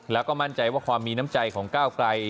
แล้วก็มั่นใจว่าความมีน้ำใจของก้าวไกล